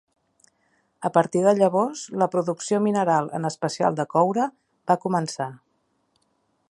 A partir de llavors, la producció mineral, en especial de coure, va començar.